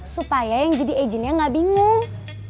supaya yang jadi agentnya gak bingung